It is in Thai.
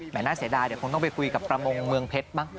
น่าเสียดายเดี๋ยวคงต้องไปคุยกับประมงเมืองเพชรมั้ง